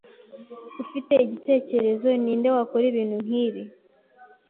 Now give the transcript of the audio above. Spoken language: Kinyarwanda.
Ufite igitekerezo ninde wakora ibintu nkibi?